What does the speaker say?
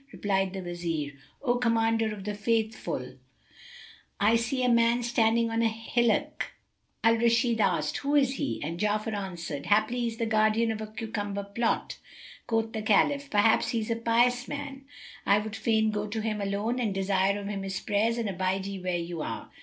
Replied the Wazir, "Yes, O Commander of the Faithful; I see a man standing on a hillock." Al Rashid asked, "What is he?"; and Ja'afar answered, "Haply he is the guardian of a cucumber plot." Quoth the Caliph, "Perhaps he is a pious man[FN#279]; I would fain go to him, alone, and desire of him his prayers; and abide ye where you are."